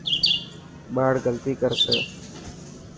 ٻاڙ غلطي ڪرسي.